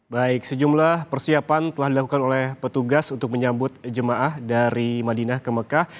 baik sejumlah persiapan telah dilakukan oleh petugas untuk menyambut jemaah dari madinah ke mekah